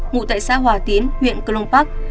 ngụ tại xã hòa tiến huyện cơ long park